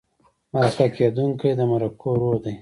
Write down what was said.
مرکه کېدونکی د مرکو روح دی.